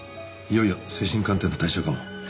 いよいよ精神鑑定の対象かも。